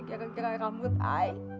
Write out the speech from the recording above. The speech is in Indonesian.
gara gara rambut ayah